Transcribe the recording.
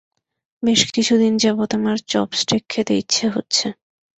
বেশ কিছু দিন যাবত, আমার চপ স্টেক খেতে ইচ্ছে হচ্ছে।